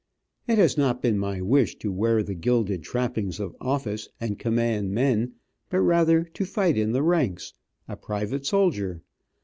It has not been my wish to wear the gilded trappings of office and command men, but rather to fight in the ranks, a private soldier.